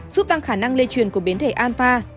giúp tăng khả năng lây truyền của biến thể anfa